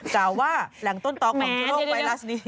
กล่าวว่าแหล่งต้นต้องของโรคไวรัสนี้